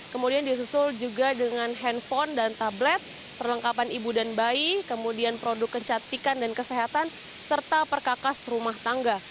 kemudian disusul juga dengan handphone dan tablet perlengkapan ibu dan bayi kemudian produk kecantikan dan kesehatan serta perkakas rumah tangga